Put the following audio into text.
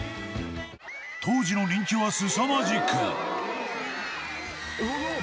当時の人気はすさまじく。